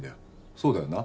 そうだよな？